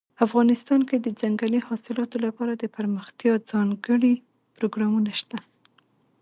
افغانستان کې د ځنګلي حاصلاتو لپاره دپرمختیا ځانګړي پروګرامونه شته.